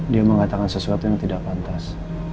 dia mengatakan sesuatu yang tidak pantas